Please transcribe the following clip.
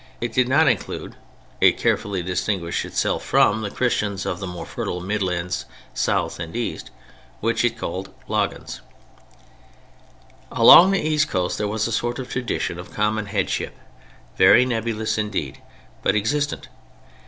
It did not include, it carefully distinguished itself from the Christians of the more fertile Midlands and South and East, which it called "Laghans." Along the east coast there was a sort of tradition of common headship, very nebulous indeed, but existent.